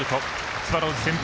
スワローズ先発